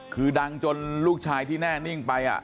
คือดังจนลูกชายที่แน่นิ่งไป